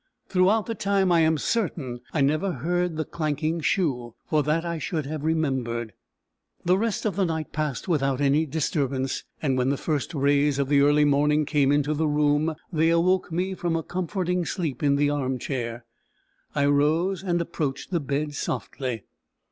Throughout the time I am certain I never heard the clanking shoe, for that I should have remembered. The rest of the night passed without any disturbance; and when the first rays of the early morning came into the room, they awoke me from a comforting sleep in the arm chair. I rose and approached the bed softly.